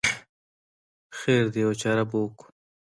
خیر دی یوه چاره به وکړو.